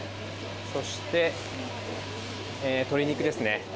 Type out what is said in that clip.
そして、鶏肉ですね。